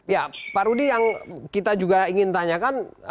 ya pak rudi yang kita juga ingin tanyakan